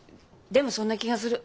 でもそんな気がする。